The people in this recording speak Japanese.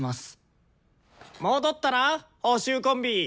戻ったな補習コンビ。